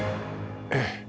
ええ。